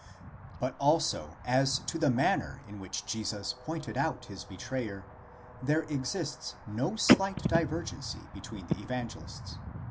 But also as to the manner in which Jesus pointed out his betrayer, there exists no slight divergency between the Evangelists.